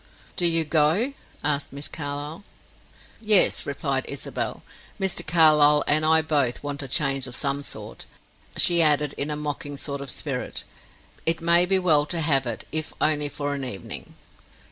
"Do you go?" asked Miss Carlyle. "Yes," replied Isabel. "Mr. Carlyle and I both want a change of some sort," she added, in a mocking sort of spirit; "it may be well to have it, if only for an evening."